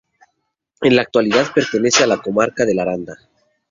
En la actualidad pertenece a la Comarca del Aranda.